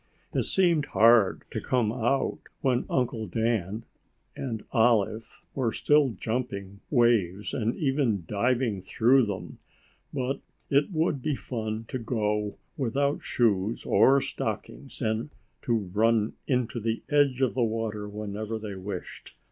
It seemed hard to come out when Uncle Dan and Olive were still jumping waves and even diving through them, but it would be fun to go without shoes or stockings and to run into the edge of the water whenever they wished.